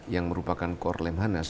yang merupakan core lemhanas